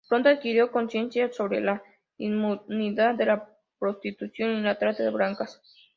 Pronto adquirió conciencia sobre la impunidad de la prostitución y la trata de blancas.